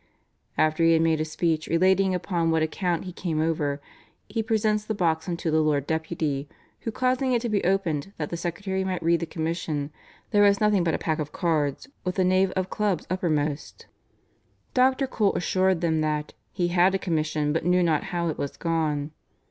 "After he had made a speech relating upon what account he came over, he presents the box unto the Lord Deputy, who causing it to be opened, that the secretary might read the commission, there was nothing but a pack of cards with the knave of clubs uppermost." Dr. Cole assured them that "he had a commission, but knew not how it was gone."